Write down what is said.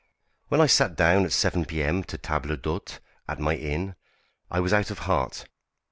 When I sat down at 7 p.m. to table d'hôte, at my inn, I was out of heart.